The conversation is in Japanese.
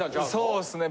そうっすね